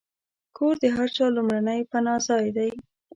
کور د هر چا لومړنی پناهځای دی.